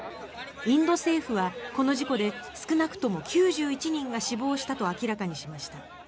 インド政府は、この事故で少なくとも９１人が死亡したと明らかにしました。